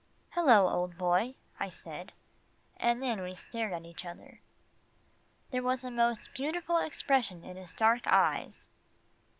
"Hello, old boy," I said, then we stared at each other. There was a most beautiful expression in his dark eyes.